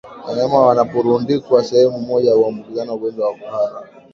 Wanyama wanaporundikwa sehemu moja huambukizana ugonjwa wa kuhara